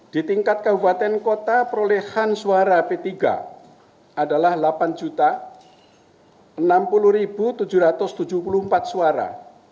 di tingkat kabupaten kota perolehan suara p tiga adalah delapan enam puluh tujuh ratus tujuh puluh empat suara